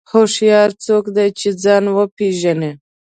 هوښیار څوک دی چې ځان وپېژني.